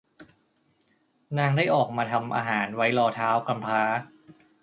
นางได้ออกมาทำอาหารไว้รอท้าวกำพร้า